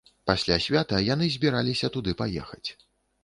Пасля свята яны збіраліся туды паехаць.